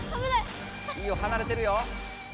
いいよはなれてるよ。